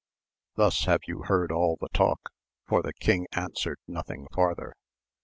Thus have you heard all the talk, for the king answered nothing farther.